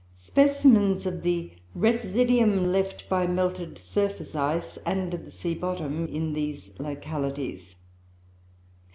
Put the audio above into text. specimens of the residuum left by melted surface ice, and of the sea bottom in these localities.